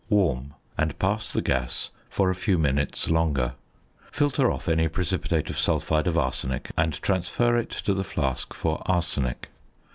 Warm and pass the gas for a few minutes longer. Filter off any precipitate of sulphide of arsenic, and transfer it to the flask for "arsenic."